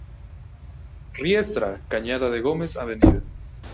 Riestra, Cañada de Gómez, Av.